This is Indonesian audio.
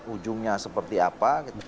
ujungnya seperti apa